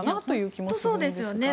本当そうですよね。